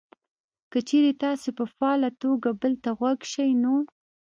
که چېرې تاسې په فعاله توګه بل ته غوږ شئ نو: